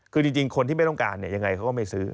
คือจริงคนที่ไม่ต้องการเนี่ยยังไงเขาก็ไม่ซื้อ